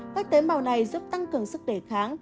các tế bào này giúp tăng cường sức đề kháng